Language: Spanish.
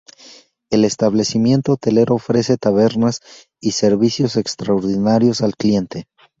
El establecimiento hotelero ofrece tabernas y servicios extraordinarios al cliente.